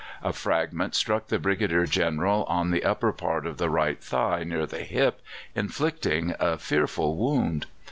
A fragment struck the Brigadier General on the upper part of the right thigh near the hip, inflicting a fearful wound.